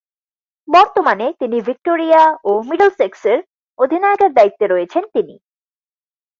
বর্তমানে তিনি ভিক্টোরিয়া ও মিডলসেক্সের অধিনায়কের দায়িত্বে রয়েছেন তিনি।